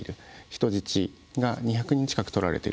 人質が２００人近くとられていると。